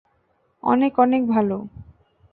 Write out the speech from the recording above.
অনেক অনেক ভালো!